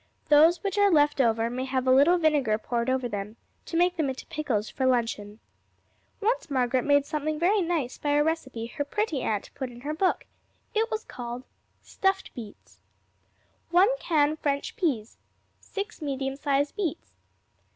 Those which are left over may have a little vinegar poured over them, to make them into pickles for luncheon. Once Margaret made something very nice by a recipe her Pretty Aunt put in her book. It was called Stuffed Beets 1 can French peas. 6 medium sized beets.